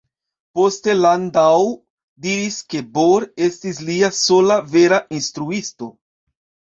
Poste Landau diris ke Bohr estis lia "sola vera instruisto".